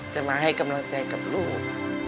จะมาให้กำลังใจกับลูก